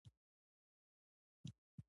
د خدای مخه د همدوی په لورې ده.